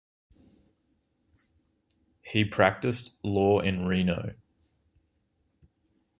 He practiced law in Reno.